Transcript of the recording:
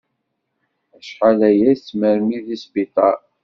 Acḥal aya i yettmermid di sbiṭar.